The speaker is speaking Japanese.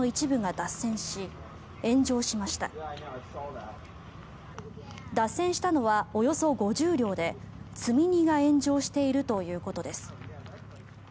脱線したのはおよそ５０両で積み荷が炎上しているということです。